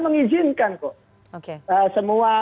mengizinkan kok oke semua